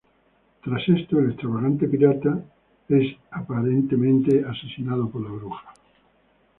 Tras esto, el extravagante pirata es aparentemente asesinado por la Bruja.